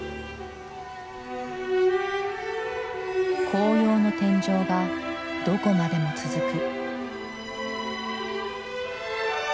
紅葉の天井がどこまでも続く。